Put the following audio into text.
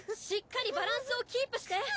しっかりバランスをキープして！